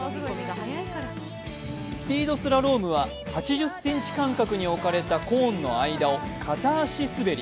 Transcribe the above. スピードスラロームは８０ｃｍ間隔に置かれたコーンの間を片足滑り。